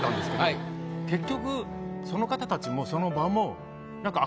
結局その方たちもその場も。